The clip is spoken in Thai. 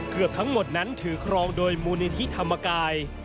เกือบทั้งหมดนั้นถือครองโดยมูลนิธิธรรมกาย